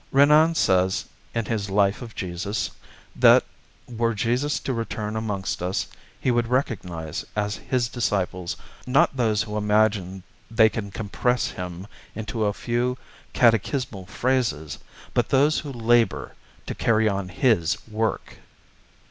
Renan says, in his Life of Jesus, that "were Jesus to return amongst us He would recognise as His disciples, not those who imagine they can compress Him into a few catechismal phrases, but those who labour to carry on His work."